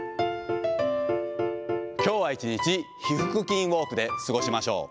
きょうは一日、ひ腹筋ウォークで過ごしましょう。